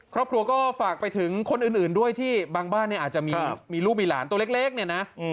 ครอบครัวก็ฝากไปถึงคนอื่นด้วยที่บางบ้านเนี่ยอาจจะมีลูกมีหลานตัวเล็กเนี่ยนะ